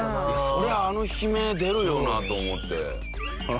そりゃあの悲鳴出るよなと思って。